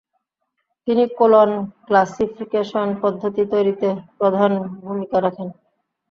তিনি colon classification পদ্ধতি তৈরীতে প্রধান ভূমিকা রাখেন।